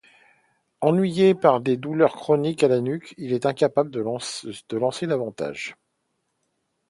Ennuyé par des douleurs chroniques à la nuque, il est incapable de lancer davantage.